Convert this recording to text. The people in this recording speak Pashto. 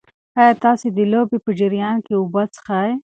ایا تاسي د لوبې په جریان کې اوبه څښئ؟